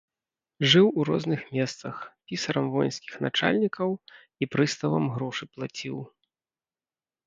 Жыў у розных месцах, пісарам воінскіх начальнікаў і прыставам грошы плаціў.